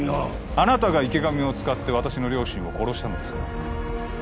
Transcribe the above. あなたが池上を使って私の両親を殺したのですね